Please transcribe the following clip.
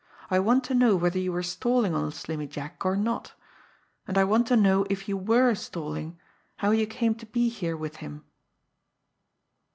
I want to know whether you were stalling on Slimmy Jack, or not. And I want to know, if you were stalling, how you came to be here with him."